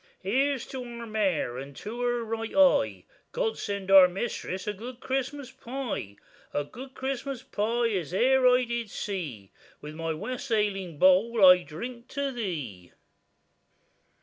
Here's to our mare, and to her right eye, God send our mistress a good Christmas pie; A good Christmas pie as e'er I did see,— With my wassailing bowl I drink to thee.